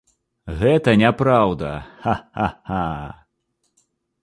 Гэта не праўда, ха-ха-ха!